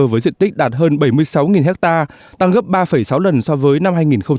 với diện tích đạt hơn bảy mươi sáu ha tăng gấp ba sáu lần so với năm hai nghìn một mươi